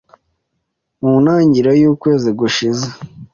Mu ntangiriro y'ukwezi gushize,